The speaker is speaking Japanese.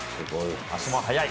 足も速い。